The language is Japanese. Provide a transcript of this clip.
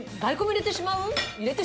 入れてしまう。